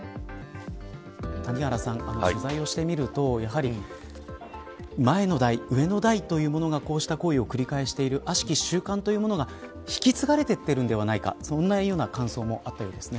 谷原さん、取材をしてみるとやはり前の代上の代という者がこうした行為を繰り返している悪しき習慣というものが引き継がれているんではないかそのような感想もあったようですね。